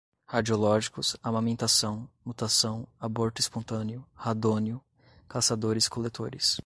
radiológicos, amamentação, mutação, aborto espontâneo, radônio, caçadores-coletores